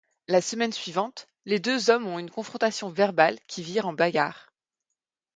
La semaine suivante, les deux hommes ont une confrontation verbale qui vire en bagarre.